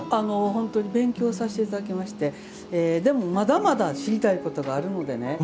勉強させていただきましてでも、まだまだ知りたいことがあるのでね。